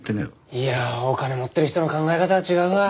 いやあお金持ってる人の考え方は違うわ。